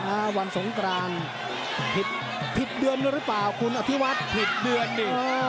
อ่าวันสงการผิดเดือนหรือเปล่าคุณอธิวัตรผิดเดือนนี่อ่า